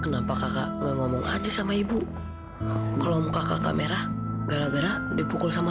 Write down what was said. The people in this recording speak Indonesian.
hai kenapa kakak ngomong aja sama ibu kalau muka kakak merah gara gara dipukul sama